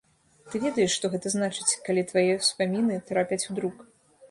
Ты ведаеш, што гэта значыць, калі твае ўспаміны трапяць у друк.